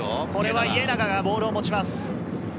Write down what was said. これは家長がボールを持ちます。